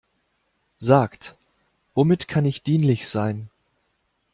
Sagt, womit kann ich dienlich sein?